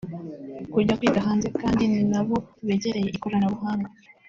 kujya kwiga hanze kandi ni na bo begereye ikoranabuhanga